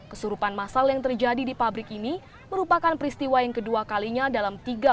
kesurupan masal yang terjadi di pabrik ini merupakan peristiwa yang kedua kalinya dalam tiga